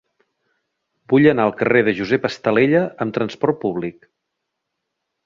Vull anar al carrer de Josep Estalella amb trasport públic.